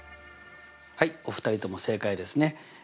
はいお二人とも正解ですね。